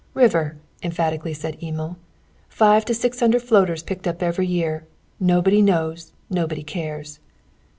"RIVER!" emphatically said Emil. "Five to six hundred floaters picked up every year. Nobody knows; nobody cares!